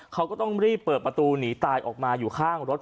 เขาก็ต้องรีบเปิดประตูหนีตายออกมาอยู่ข้างรถ